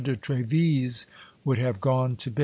de Trevise would have gone to bed.